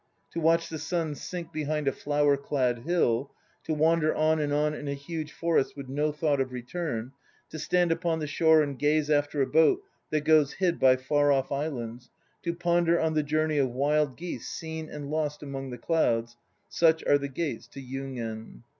'To watch the sun sink behind a flower clad hill, to wander on and on in a huge forest with no thought of return, to stand upon the shore and gaze after a boat that goes hid by far off islands, to ponder on the journey of wild geese seen and lost among the clouds" such are the gates to yugen.